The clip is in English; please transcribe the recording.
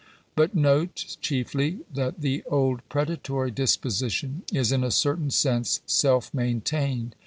But note, chiefly, that the old predatory disposition is in a certain sense self maintained.